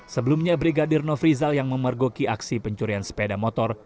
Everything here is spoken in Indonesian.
sebelumnya brigadir nofrizal yang memergoki aksi pencurian sepeda motor